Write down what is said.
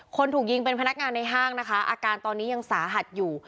คนถูกยิงเป็นพนักงานในห้างนะคะอาการตอนนี้ยังสาหัสอยู่